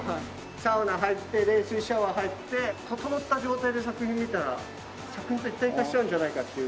サウナ入って冷水シャワー入ってととのった状態で作品見たら作品と一体化しちゃうんじゃないかっていう。